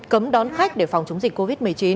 cấm đón khách để phòng chống dịch covid một mươi chín